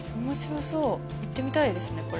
面白そう行ってみたいですね